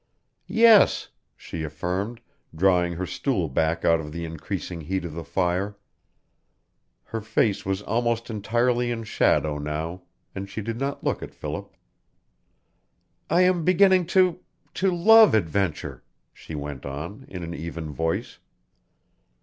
"Yes," she affirmed, drawing her stool back out of the increasing heat of the fire. Her face was almost entirely in shadow now, and she did not look at Philip. "I am beginning to to love adventure," she went on, in an even voice.